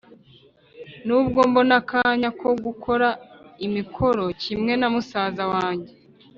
N’ubwo mbona akanya ko gukora imikoro kimwe na musaza wange,